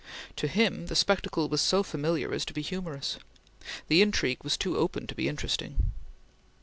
To him, the spectacle was so familiar as to be humorous. The intrigue was too open to be interesting.